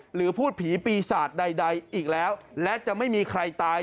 หรือพูดผีปีศาจใดอีกแล้วและจะไม่มีใครตาย